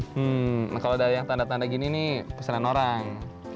hmm nah kalau dari yang tanda tanda gini nih pesanan orang